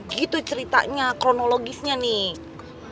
gitu ceritanya kronologisnya nih